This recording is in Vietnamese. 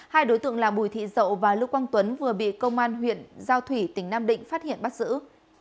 hai đối tượng là bùi thị dậu và lưu quang tuấn vừa bị công an huyện giao thủy tỉnh nam định phát hiện bắt giữ